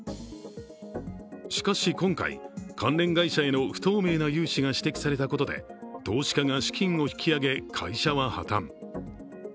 しかし、今回、関連会社への不透明な融資が指摘されたことで投資家が資金を引き揚げ会社は破綻。